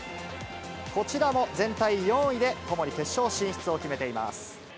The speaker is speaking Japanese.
こちらも全体４位で、ともに決勝進出を決めています。